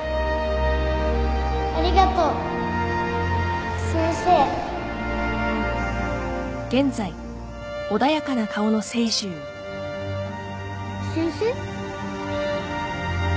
ありがとう先生先生？